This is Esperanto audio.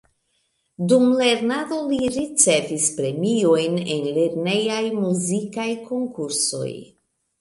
Dum lernado li ricevis premiojn en lernejaj muzikaj konkursoj.